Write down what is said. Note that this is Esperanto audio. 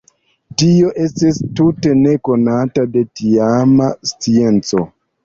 Tio estis tute nekonata de tiama scienco.